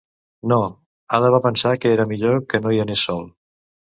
No, Ada va pensar que era millor que no hi anés sol.